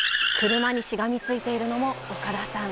車にしがみついているのも岡田さん。